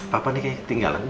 papa nih kayaknya ketinggalan